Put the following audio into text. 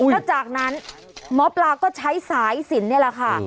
แล้วจากนั้นหมอปลาก็ใช้สายสินนี่แหละค่ะ